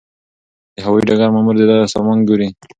د هوايي ډګر مامور د ده سامان ګوري.